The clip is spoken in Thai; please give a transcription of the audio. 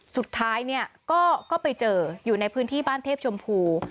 สุดท้ายเนี่ยก็ไปเจออยู่ในพื้นที่บ้านเทพชมพู